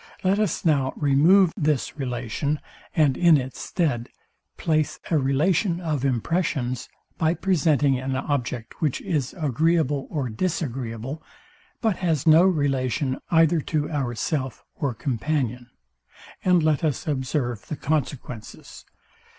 Let us now remove this relation, and in its stead place a relation of impressions, by presenting an object, which is agreeable or disagreeable, but has no relation either to ourself or companion; and let us observe the consequences.